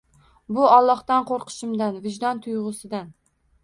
Bu Allohdan ko'rqishimdan, vijdon tuyg'usidan.